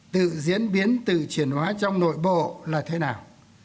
tự diễn biến tự chuyển hóa trong nội bộ là thế nào